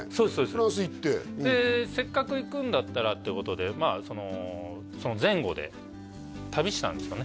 フランス行ってでせっかく行くんだったらっていうことでその前後で旅したんですよね